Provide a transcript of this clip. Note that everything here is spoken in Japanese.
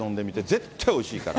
絶対おいしいから。